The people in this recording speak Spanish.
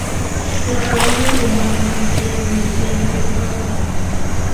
La familia Dumont vivía en Irvine, California.